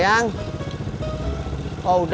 yaudah abis ngantar penumpang aku pulang dah